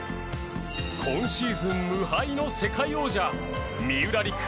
今シーズン無敗の世界王者三浦璃来